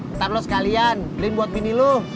ntar lu sekalian beliin buat bini lu